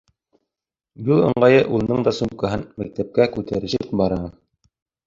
Юл ыңғайы улының да сумкаһын мәктәпкә күтәрешеп бара.